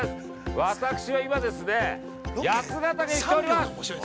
私は今ですね、八ヶ岳に来ております！